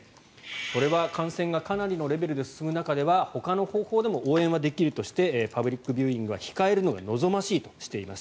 これは感染がかなりのレベルで進む中ではほかの方法でも応援はできるとしてパブリックビューイングは控えるのが望ましいとしています。